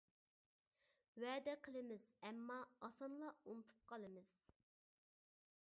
ۋەدە قىلىمىز ئەمما ئاسانلا ئۇنتۇپ قالىمىز.